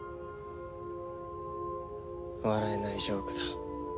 笑えないジョークだ。